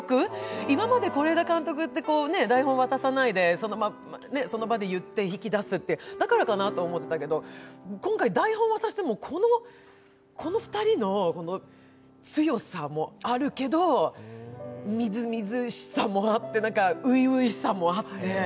今まで是枝監督って、台本を渡さないでその場で言って引き出すって、だからかなと思ったんだけど今回、台本を渡しても、この２人の強さもあるけど、みずみずしさもあって初々しさもあって。